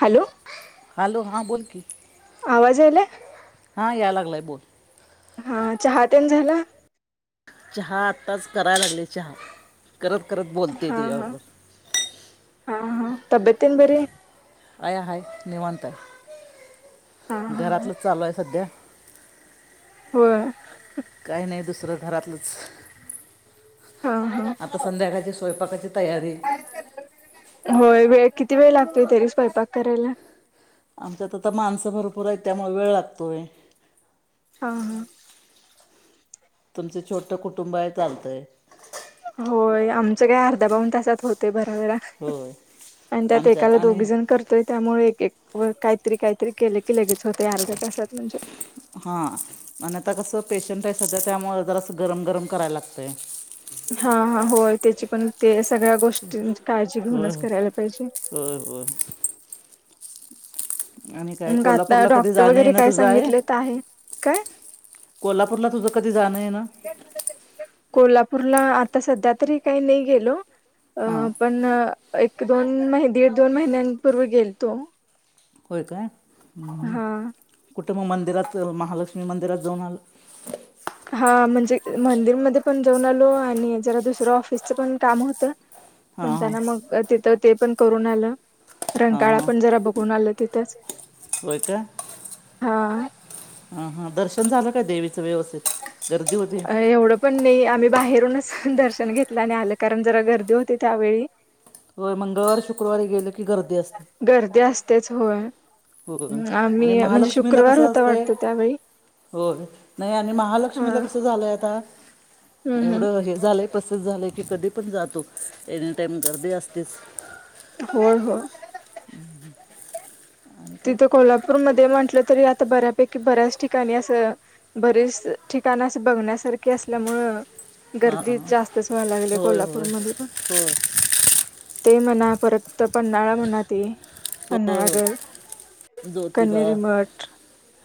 Hello. Hello हां बोल की. आवाजले. हा याय लागलाय बोल. हा चहते्यान झालं. चहा आत्ताच करायला लागले चहा करत करत बोलते तुझ्याबरोबर. हां हां तब्येत तेन बरी हाय. आय हाय निवांत हा हाय हा हा घरातलं चालू आहे सध्या. होय. काही नाही दुसरं घरातलंच. हा. हा आता संध्याकाळची स्वयंपाकाची तयारी. होय वेळ किती वेळ लागतोय तरी स्वयपाक करायला. आमच्यातता माणसं भरपूर आहे त्यामुळे वेळ लागतोय. हां हां. तुमचं छोटं कुटुंब आहे चालतंय. होय आमचं काय अर्धा पाऊन तासात होत तय भराभरा होय आणि त्यात आमच्यात एकाला आणि दोघी जण करतोय. त्यामुळे एक व काहीतरी काहीतरी केले की लगेच होत अर्ध्या तासात म्हणजे हा आणि आता कसं पेशंट आहे सध्या त्यामुळे त्याला अस गरम गरम करायला लागतंय. हा हा होय त्याची पण ते सगळ्या गोष्टींची काळजी घेऊनच करायला पाहिजे. हो हो. आणि काय मग आता कोल्हापूरला कधी डॉक्टर जाणं वगैरे येन काय तुझं आहे. सांगितलेत आहे काय कोल्हापूरला तुझं कधी जाणं येन. कोल्हापूरला आता सध्या तरी काही नाही गेलो अ हां पण एक दोन महि दीड दोन महिन्यांपूर्वी गेल तो. होय काय हा कुठे मग मंदिरात महालक्ष्मी मंदिरात जाऊन आलं हा म्हणजे मंदिरमध्ये पण जाऊन आलो आणि जरा दुसरं ऑफिसचं पण काम होतं. हां हां म्हणताना मग तिथं ते. पण करून आलं रंगकाळा पण जरा बघून आलं तिथंच. हो काय. हा. ह हा दर्शन झालं काय देवीचं व्यवस्थित गर्दी होती. एवढं पण नाही आम्ही बाहेरूनच दर्शन घेतलं आणि आलं कारण जरा गर्दी होती त्यावेळी. ह [unintelligible] हो मंगळवारी शुक्रवारी गेले की गर्दी असते. गर्दी असतेच होय होय आणि आम्ही म्हणजे शुक्रवार होता वाटतो त्यावेळी. हो नाही आणि हा महालक्ष्मीला कसं झालंय आता हम्म हम्म एवढं हे झालंय पस झाले की कधी पण जातो एनीटाईम गर्दी असतेच. हो हो. आणि काय तिथं कोल्हापूरमध्ये म्हटलं तरी आता बऱ्यापैकी बऱ्याच ठिकाणी असं बरीच ठिकाण अस बघण्यासारखी असल्यामुळं हां गर्दी हां जास्तच व्हायला लागली होय होय कोल्हापूरमध्ये पण होय ते म्हणा परतत पन््हाळा म्हणा ते होय पन््हाळा घर होय ज्योतिबा कनरी मट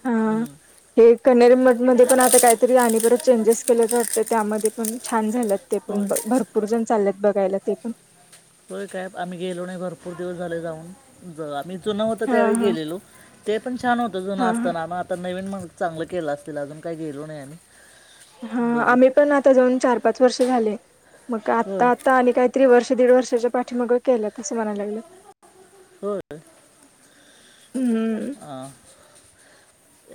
हा हम्म. हे कनेरी मठमध्येध्ये पण आता काहीतरी आण परत चेंजेस केल्याच वाटतं त्यामध्ये पण छान झालंत ते पण होय भरपूर जण चाललेत बघायला ते पण हो काय आम्ही गेलो नाही भरपूर दिवस झाले जाऊन ज आम्ही जुन होत हा त्यावेळी हा गेलेलो. ते पण छान होतं जुनं हा हा असताना मग आता नवीन मग चांगलं केलं असतील अजून काही गेलो नाही आम्ही. हा बघू आम्ही पण आता जाऊन चार पाच वर्ष झाले मग होय आता आ आणि काही ति वर्ष दीड वर्षाच्या पाठीमागं केलं त असं म्हणाय लागलं. होय. हम्मम.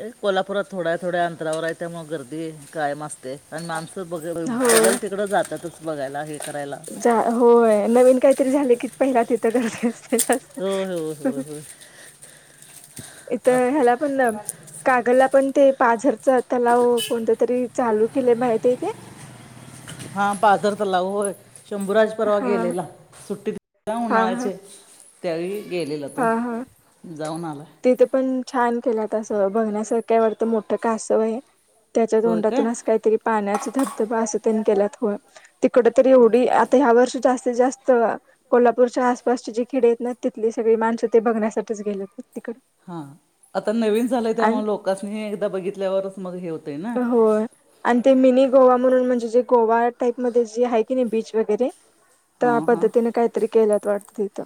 ए कोल्हापुरात थोड्या थोड्या अंतरावर आहे त्यामुळं गर्दी कायमी आस्त ते आणि माणसं ब बघल होय. तिकडं जातातच बघायला हे करायला. जा होय नवीन काहीतरी झाले की पहिला तिथं करज असते जास्त हो हो हो होय इथं असते ह्याला पण कागलला पण ते पाझरच तलाव कोणत तरी चालू केले माहिती ते हा पाजर तलाव होय शंभूराज परवा हा गेलेला सुट्टीत हा हा उन्हाळ्याचे त्यावेळी गेलेला तो हा हा जाऊन आला तिथे पण छान केला त असं बघण्यासारखं वाटतं मोठं कासव आहे त्याच्या होय काय तोंडातून काहीतरी पाण्याचा धबधबा असे त्यांनी केल्यात होय तिकड तर एवढी आता ह्या वर्षी जास्तीत जास्त कोल्हापूरच्या आसपासचे जी खिडे आहेत ना तिथलीच सगळी माणसं ते बघण्यासाठीच गेले हो तिकडडे हा आता नवीन झालंय त्यामुळे लोकसणी हे एकदा बघितल्यावरच मग हे होत हो आणि ते मिनी गोवा म्हणून म्हणजे जे गोवा टाईपमध्येध्ये जे आहे की नाही बीच वगैरे त्या हां हां पद्धतीने काहीतरी केल्यात वाटतं तिथं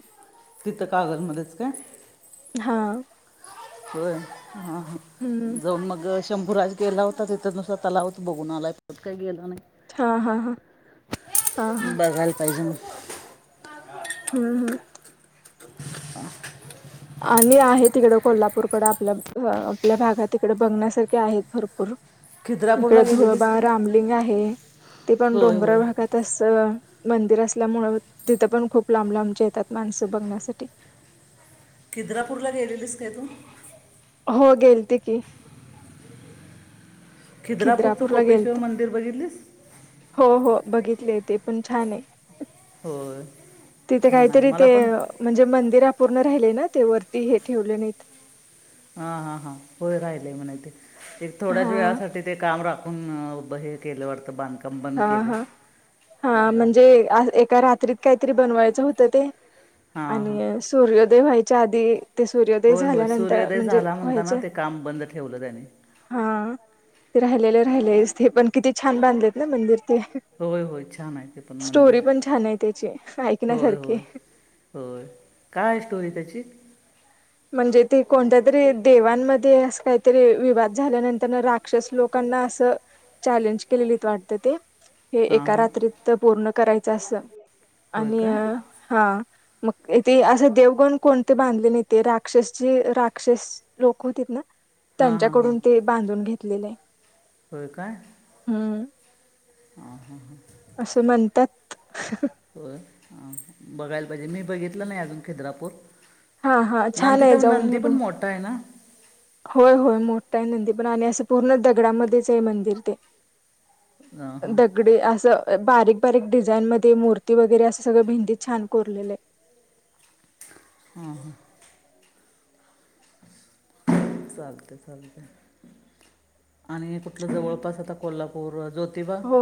तिथं कागल मध्येच काय हा होय ह हम्म जाऊन मग अ शंभूराज गेला होता तिथं नुसता तलावत बघून आला काही गेला नाही हा हा हा हा हा अकाल पाहिजून हा हम हा आणि आहे तिकड कोल्हापूरकडं आपल्या आपल्या भागात इिकडे बघण्यासारखे आहेत भरपूर खिद्रापूरला इकडे धुळबा गेलेलीस का रामलिंग आहे ते पण होय डोंगरा होय भागात तस मंदिर असल्यामुळं तिथं पण खूप लांब लांबचे येतात माणसं बघण्यासाठी खीद्रापूरला गेलेलीस काय तू हो गेल त की खिद्रापूरचं खिद्रापूरला कोपेश्वर गेलते मंदिर बघितलीस हो हो बघितले ते पण छान आहे होय तिथे छान आहे काहीतरी मला ते पण म्हणजे मंदिर अपूर्ण राहिले ना ते वरती हे ठेवले नाहीत हा हा हा होय राहिलेय म्हण ते एक थोड्याच हा वेळासाठी ते काम राखून हे केल्यावर बांध हा हा हा म्हणजे एका रात्रीत काहीतरी बनवायचं होतं ते हां हां आणि सूर्योदय व्हायच्या आधी ते सूर्योदय होय होय झाल्यानंतर सूर्योदय म्हणजे झाला म्हणताना व्हायचे ते काम बंद ठेवलं त्याने हा ते राहिलेले राहिलेच ते पण किती छान बांधलेत ना मंदिर ते होय होय छान आहे ते पण स्टोरी मंदिर पण छान आहे त्याची होय ऐकण्यासारखी होय होय काय आहे स्टोरी त्याची म्हणजे ते कोणत्या तरी देवांमध्ये अस काहीतरी विवाद झाल्यानंतर रा अक्ष लोकांना अस चॅलेंज केलेली वाटत ते हे हां एका हां रात्रीत पूर्ण करायचं असं होय आणि काय हा मगथे असं देव पण कोण बांधले नाही ते राक्षस जे राक्षस लोक होते ना हां हां हां त्यांच्याकडून ते बांधून घेतलेले आहे होय काय हम् हा हा हा असं म्हणतात हो बघायला पाहिजे मी बघितलं नाही अजून खिद्रापूर हा हा छान नांदी आहे तर जाऊन हे नंदी पण बघ मोठा आहे ना होय होय मोठा आहे नंदी पण आणि असं पूर्ण दगडामध्येच आहे मंदिर ते हां द हां तगडे असं बारीक बारीक डिझाईन मध्ये मूर्ती वगैरे असं सगळं भिंतीत छान कोरलेले हां हां चालत चालत आणि कुठलं जवळपास आता कोल्हापूर ज्योतिबा आहे हो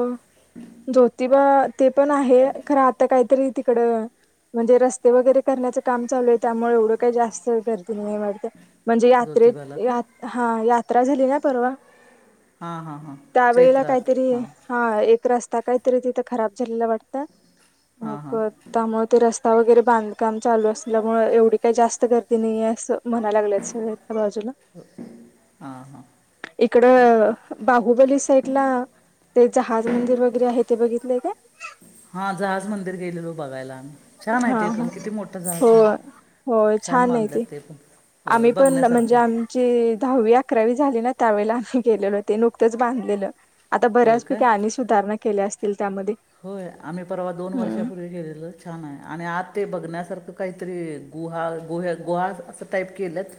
ज्योतिबा ते पण आहे खरं आता काहीतरी तिकडं म्हणजे रस्ते वगैरे करण्याचं काम चालू आहे त्यामुळे एवढं काही जास्त गर्दी नाही वाटत. म्हणजे ज्योतिबाला काय यात्रेत हा यात्रा झाली ना परवा? हां हां हां त्यावेेळेला चैत्रात काहीतरी हां हा एक रस्ता काहीतरी तिथं खराब झालेला वाटत म हां हां त्यामुळे ते रस्ते ता वगैरे बांधकाम चालू असल्यामुळे एवढी काही जास्त गर्दी नाहीे असं म्हणायला लागल्या शेच्या बाजूला. हां हां इकड बाहुबली सैड ला ते जहाज मंदिर वगैरे आहे ते बघितलंय का? हा जहाज मंदिर गेलेलो बघायला आम्ही. छान हा आहे ते हा पण किती मोठं हो जहाज मग हो छान आहे ते. बांधलं पण होय आम्ही पण म्हणजे बघण्यासारखं आम् आहे जी दहावी अकरावी झाली ना त्यावेला आम्ही गेलेलो ते नुकतंच बांधलेलं. आता होय काय बऱ्याचपैकी आणि सुधारणा केल्या असतील त्यामध्ये. होय आम्ही परवा दोन हम्म वर्षापूर्वी गलेलो. छान आहे आणि आज ते बघण्यासारख काहीतरी गु गु गुहा असं टाईप केलात.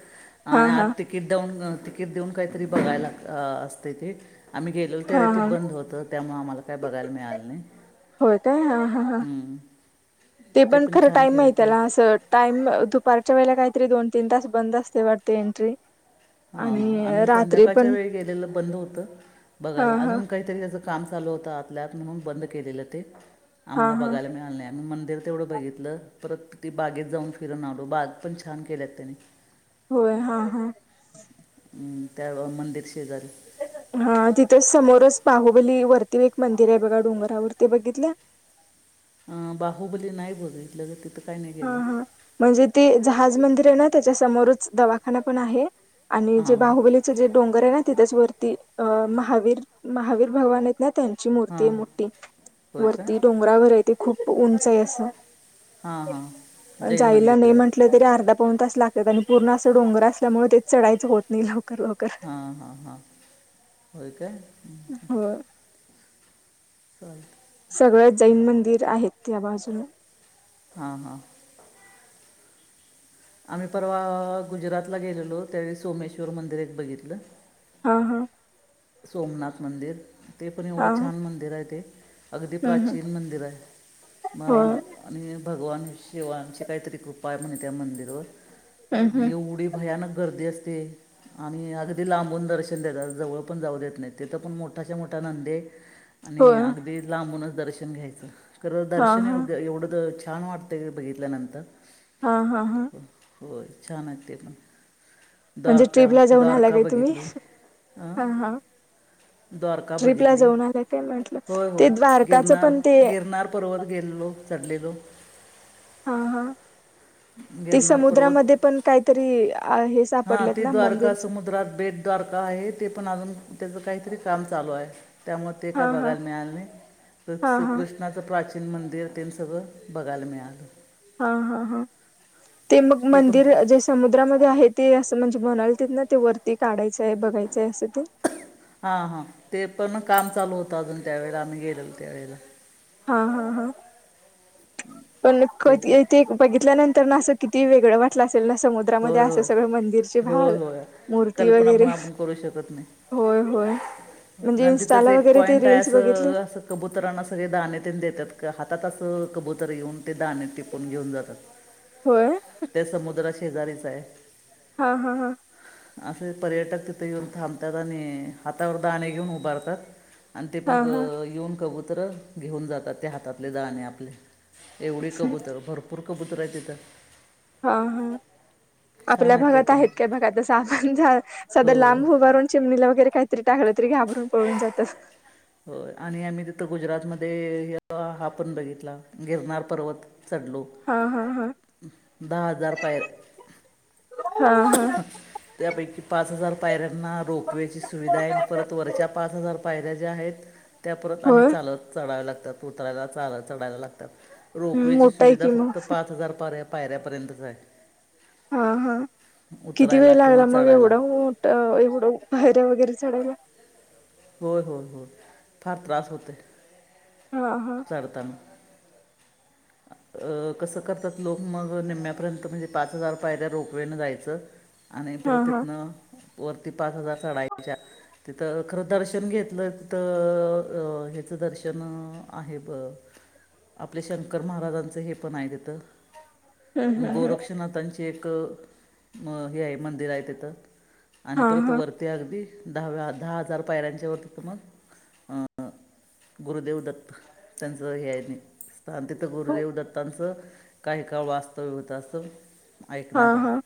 हा आणि आज हा तिकीट देऊन तिकीट देऊन काहीतरी बघायला असते ते. आम्ही गेलेलो हा त्यावेळी ते हा बंद होतं त्यामुळे आम्हाला काय बघायला मिळालं नाही. हो काय. हा हम्म ते पण खरा टाईम आहे त्याला असं टाइम दुपारच्या वेळेला काहीतरी दोन तीन तास बंद असते वाटते एंट्री. हा हा आणि आम्ही रात्री संध्याकाळच्या पण वेळी गेलेलं बंद होतं हा बघायला हा अजून काहीतरी त्याच काम चालू होत आतल्यात म्हणून बंद केलेलं ते हा आम्हाला हा बघायला मिळालं नाही आही मंदिर तेवढं बघितलं परत ती बागेत जाऊन फिरून आलो बाग पण छान केल्यात त्यानी, होय हा हा हम् त्यावे मंदिर शेजारी, हा तिथं समोरच बाहुबली वरती एक मंदिर आहे बघा डोंगरावरती बघितल्या? अ बाहुबली नाही बघ लग तिथं काय नाही हा गेलं हा म्हणजे ते जहाज मंदिर आहे ना त्याच्या समोरच दवाखाना पण आहे. आणि जे हां हां बाहुबली जे डोंगर आहे ना ति त्याच्याच वरती अ महावीर महावीर भगवान य ना त्यां ची मूर्ती हां आहे मोठी होय काय वरती डोंगराघर आहे ते खूप उंच आहे अस. हा हां जैन जायला मंदिर नाही आहे म्हण कुठ तरी अर्धा पाऊन तास लागतात आणि पूर्ण असं डोंगर असल्यामुळे तेच चढायचं होत नाही लवकर ल हां हां हां होय का. हो [unintelligible] सगळ जैन मंदिर आहेत त्या बाजून. हा हा आम्ही परवा गुजरातला गेलेलो त्यावेळी सोमेश्वर मंदिर एक बघितलं. हा हा सोमनाथ मंदिर ते पण हा एवढं छान मंदिर आहे ते. अगदी हम्म प्राचीन मंदिर आहे हो मग आणि भगवान शिवांची काहीतरी कृपा आहे म्हणे त्या मंदिरवर. हम्म आणि एवढी भयानक गर्दी असते आणि अगदी लांबून दर्शन देतात जवळ न जाऊ देत नाहीत तिथ पण मोठाच्या मोठा नदीय हो आणि हा अगदी लांबूनच दर्शन घ्यायचं खरं दर्शन हा ऐवढं ऐवढंत छान वाटतंय बघितल्यानंतर हा हा हा. हो होय छान हायत ते पण म्हणजे द्वारका ट्रीपला जाऊन आला द्वारका काय तुम्ही बघितली अ हा हा द्वारका ट्रीपला बघितली जाऊन आला काय म्हटलं होय ते होय द्वारकाचं गिरनार पण ते गिरनार पर्वत गेलेलो चढलेलो. हा हा. ते गिरनार पर्वत समुद्रामध्ये पण कायतरी हे हां सापडलेत ती ना द्वारका मंदिरचे समुद्रात बेद तारका आहे ते पण अजून तेज कायतरी काम चालूय. त्यामुळ ते काय हा हा बघायला मिळाल नाइ कृ हा हा कृष्ण ष्णाच प्राचीन मंदिर तेन सगळं बघायला मिळालं. हा हा हा ते मग मंदिर जस समुद्रामध्ये आहे ते असं म्हणजे म्हणाल तित ना वरती काढायचाय बघायचाय असं ते हा हा ते पण काम चालू होत अजून त्यावेेळेला आम्ही गेलेलो त्यावेळेला हा हा हा. पण ते कधी [unintelligible] बघितल्यानंतर आसं किती वेगळं वाटलं असेल ना समज द्रामध्ये होय आस होय सगळं मंदिरचे भाग होय होय मूर्ती कल्पना पण वैगरे आपण करू शकत नाही होय होय म्हणजे आणि तिथंच इन्स्टाला एक वगरे ते पॉइंट आहे रिल्स बघितल्या असं असं कबुतरांना सगळे दाणे तेन देत्यात का हातात आसं कबुतर येऊन ते दाणे टिपून घेऊन जातात होय ते समुद्रात शेजारीच हाय. हा हा हा. असे पर्यटक तिथे येऊन थांबतात आणि हातावर दाणे घेऊन उभारतात. आणि ते हा मग हा येऊन कबुतर घेऊन जातात ते हातातले दाणे आपल्या एवढी कबूतर भरपूर कबूतर हायत तिथं हा हा छान आपल्या आहे तो भागात पण आहेत काय बघा तसा साध होय लांब उभारून चिमणीला वगरे कायतरी टाकलं तरी घाबरून पळून जातं. होय आणि आम्ही तिथं गुजरातमध्ये हा पण बघितला गिरनार पर्वत चढलो. हा हा हा दहा हजार पायऱ्या. हा हा त्यापैकी पाच हजार पायऱ्यांना रोपवेची सुविधा हाय परत वरच्या पाच हजार पायऱ्या ज्या आहेत त्या परत आणि होय चालत चढाव्या लागतात उतरायला चालत चढायला लागतात. रोपवेची मोठा आहे सुविधा की मग फक्त पाच हजार पार्या पायऱ्यापर्यंतच हाय. हा हा किती वेळ किंवा लागला म चढायला एवढा मोठ ठ एवढं पायऱ्या वगरे चढायला. होय होय होय फार त्रास होतोय. हा हा. चढताना. अ कसं करतात लोक मग निम्यापर्यंत म्हणजे पाच हजार रोपवेन जायचं. आणि हा परत हा तिथनं वरती पाच हजार चढायच्या तिथं खरं दर्शन घेतलं तिथं हेचं दर्शन आहे ब आपले शंकर महाराजांचं हे पण हाय तिथं हम्म हम्म हम्म गोरक्षण नाथाची एक अ हे हाय मंदिर आहे तिथं आणि हा परत हा वरती अगदी दहव्या दहा हजार पायऱ्यांच्या वरती त मग अ अ गुरुदेव दत्त त्यांच हे हाय आणि तिथं गुरुदेव दत्तांचं काही काळ वास्तव्य होत असं हा ऐकण्यात हाय. हा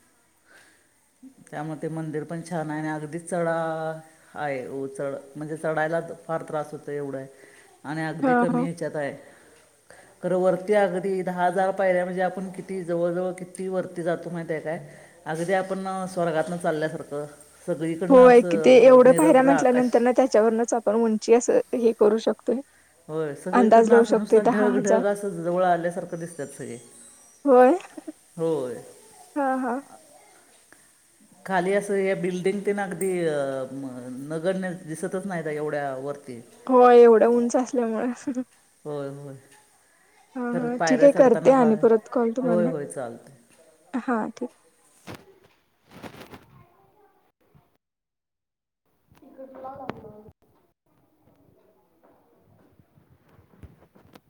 त्यामुळे ते मंदिर पण छान आहे आणि अगदी चढ आहे. हो चढ म्हणजे चढायला फार त्रास होतोय एवढ हाय. आणि अगदी हा हा कमी हयाच्यात हाय. खरं वरती अगदी दहा हजार पायऱ्या म्हणजे आपण किती जवळजवळ किती वरती जातो माहितीेय काय अगदी आपण स्वर्गातन चालल्यासारखं सगळीकडनं असं निरभ्र आ नंतर न त्याच्यावरच आपण उंची अस हे करू शकतोय. होय अंदाज सगळीकडनं लावू असं नुसत शकतोय दहा ढग हजार ढग असं जवळ आल्यासारखं दिसत्यात सगळे होय होय. हा हा खाली असं हे बिल्डिंग ते न अगदी नगण्य दिसतच नाय एवढ्या वरती होय एवढ उंच असल्यामुंळ होय होय. हा हा खरंच ठीक पायऱ्या ये करते चढताना आणि फार परत कॉल होय तुम्हाना होय चालतं हा ठीक तिकीटला नंबर